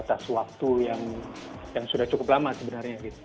batas waktu yang sudah cukup lama sebenarnya